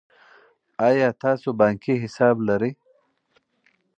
آیا تاسو بانکي حساب لرئ.